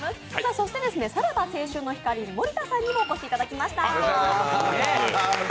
そして、さらば青春の光の森田さんにもお越しいただきました。